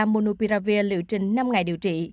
monopiravir liệu trình năm ngày điều trị